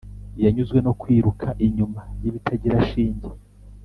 yanyuzwe no kwiruka inyuma y’ibitagira shinge.